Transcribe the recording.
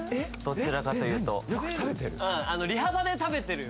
どちらかというとよく食べてる？